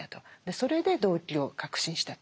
それで動機を確信したという。